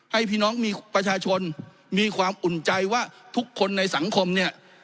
ให้พี่น้องมีประชาชนมีความอุ่นใจว่าทุกคนในสังคมเนี่ย